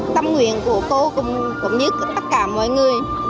tâm nguyện của cô cũng như tất cả mọi người